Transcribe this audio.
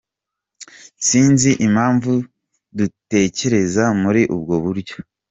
Sinzi impamvu dutekereza muri ubwo buryo.